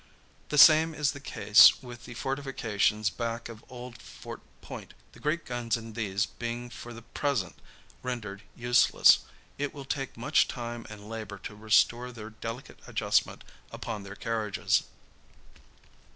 The same is the case with the fortifications back of Old Fort Point, the great guns in these being for the present rendered useless. It will take much time and labor to restore their delicate adjustment upon their carriages.